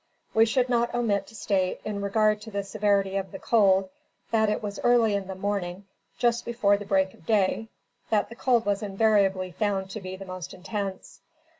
We should not omit to state, in regard to the severity of the cold, that it was early in the morning, just before the break of day, that the cold was invariably found to be the most intense.